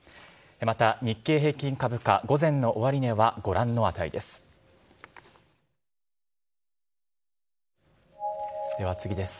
また、日経平均株価、午前の終値はご覧の値です。